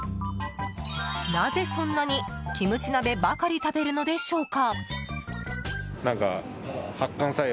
なぜそんなにキムチ鍋ばかり食べるのでしょうか？